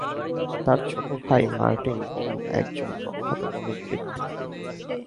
তার ছোট ভাই মার্টিন ওম একজন প্রখ্যাত গণিতবিদ।